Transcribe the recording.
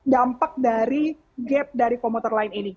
dampak dari gap dari komuter lain ini